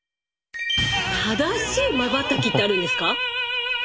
正しいまばたきってあるんですか？